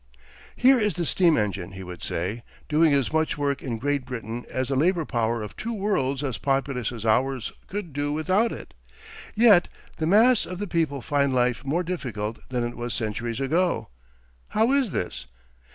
Here is the steam engine, he would say, doing as much work in Great Britain as the labor power of two worlds as populous as ours could do without it. Yet the mass of the people find life more difficult than it was centuries ago. How is this?